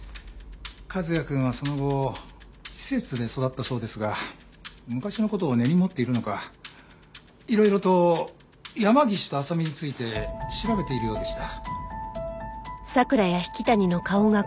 和也くんはその後施設で育ったそうですが昔の事を根に持っているのかいろいろと山岸と浅見について調べているようでした。